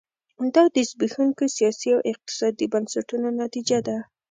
دا د زبېښونکو سیاسي او اقتصادي بنسټونو نتیجه ده.